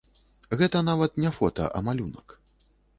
Гэта нават не фота, а малюнак.